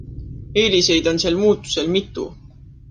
Eeliseid on sel muutusel mitu.